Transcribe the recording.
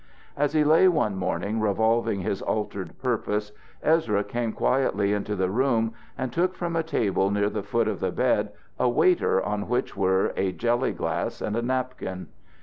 As he lay one morning revolving his altered purpose, Ezra came quietly into the room and took from a table near the foot of the bed a waiter on which were a jelly glass and a napkin.